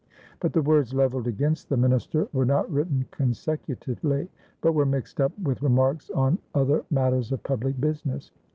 But the words leveled against the minister were not written consecutively, but were mixed up with remarks on other matters of pubHc business.